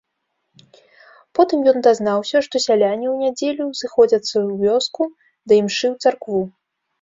Потым ён дазнаўся, што сяляне ў нядзелю сыходзяцца ў вёску да імшы ў царкву.